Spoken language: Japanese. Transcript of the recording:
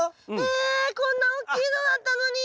えっこんな大きいのだったのに！